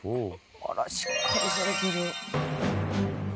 あらしっかりされてる。